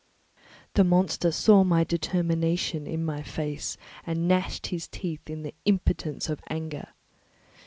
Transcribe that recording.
The monster saw my determination in my face and gnashed his teeth in the impotence of anger.